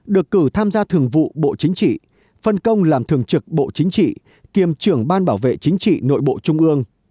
được cử tham gia thường vụ bộ chính trị phân công làm thường trực bộ chính trị kiêm trưởng ban bảo vệ chính trị nội bộ trung ương